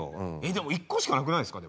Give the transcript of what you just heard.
でも一個しかなくないですか？